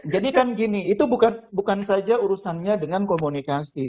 jadi kan gini itu bukan saja urusannya dengan komunikasi